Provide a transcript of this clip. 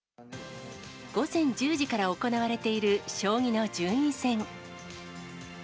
午前１０時から行われている、将棋の順位戦。